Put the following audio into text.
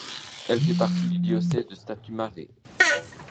Elle fait partie du diocèse de Satu Mare.